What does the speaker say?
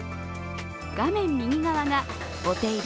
画面右側がお手入れ